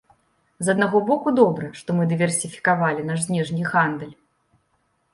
З аднаго боку, добра, што мы дыверсіфікавалі наш знешні гандаль.